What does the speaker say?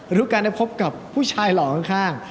หรือการได้พบกับผู้ชายหล่อข้าง